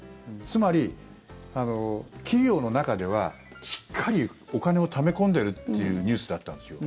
つまり、企業の中ではしっかりお金をため込んでるというニュースだったんですよ。